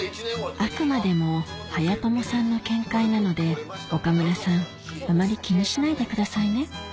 あくまでもはやともさんの見解なので岡村さんあまり気にしないでくださいね